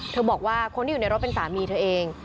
บอกว่าคนที่อยู่ในรถเป็นสามีเธอเอง